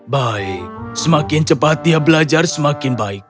baik semakin cepat dia belajar semakin baik